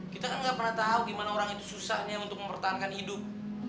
kita kan nggak pernah tahu gimana orang itu susahnya untuk mempertahankan hidup